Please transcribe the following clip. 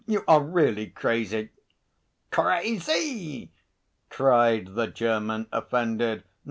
You are really crazy!" "Crazy!" cried the German, offended.